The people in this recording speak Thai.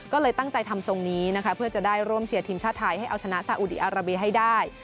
ก็เลยตั้งใจทำทรงนี้นะคะเพื่อจะได้ร่วมเชียร์ทีมชาติไทยให้เอาชนะสาอุดีอาราเบียให้ได้